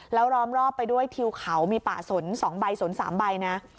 แล้วล้อมรอบไปด้วยทิวเขามีป่าสน๒ใบสน๓ใบนะ